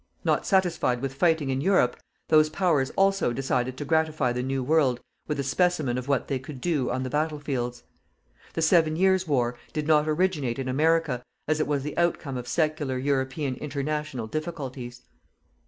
Not satisfied with fighting in Europe, those Powers also decided to gratify the New World with a specimen of what they could do on the battlefields. The Seven Years War did not originate in America, as it was the outcome of secular European international difficulties.